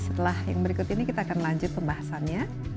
setelah yang berikut ini kita akan lanjut pembahasannya